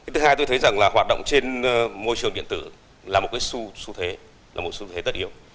thứ hai tôi thấy rằng hoạt động trên môi trường điện tử là một xu thế tất yếu